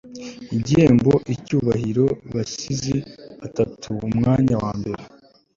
igihembo icyubahiro basizi atatu. umwanya wa mbere